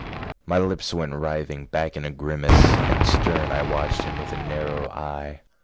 My lips went writhing back in a grimace, And stern I watched him with a narrow eye.